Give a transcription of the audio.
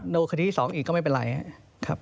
ดูคดีที่๒อีกก็ไม่เป็นไรครับ